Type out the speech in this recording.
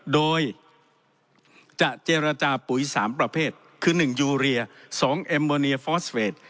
โดยจะเจรจาปุ๋ยสามประเภทคือหนึ่งยูเรียสองเอมโมเนียฟอสเฟท